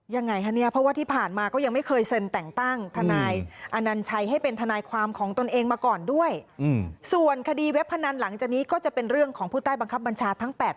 ยังไงคะเนี่ยเพราะว่าที่ผ่านมาก็ยังไม่เคยเซ็นแต่งตั้ง